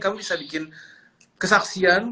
kami bisa bikin kesaksian